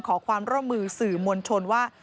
ขอความร่วมมือสื่อมวลชนว่า